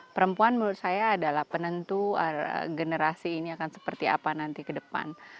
perempuan menurut saya adalah penentu generasi ini akan seperti apa nanti ke depan